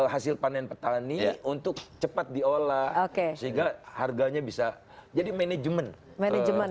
hasil panen petani untuk cepat diolah sehingga harganya bisa jadi manajemen